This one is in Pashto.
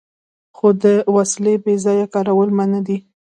خو د وسلې بې ځایه کارول منع دي.